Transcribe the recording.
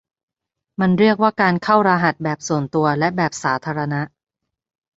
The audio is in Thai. มันเรียกว่าการเข้ารหัสแบบส่วนตัวและแบบสาธารณะ